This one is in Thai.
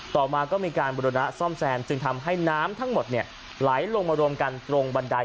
ต่อมาก็มีการบุรณะซ่อมแซมจึงทำให้น้ำทั้งหมดไหลลงมารวมกันตรงบันได